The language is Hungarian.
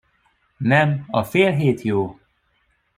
Nem, a fél hét jó.